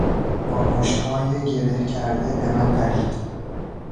با مشتهای گره کرده به من پرید.